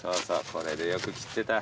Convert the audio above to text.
これでよく切ってた。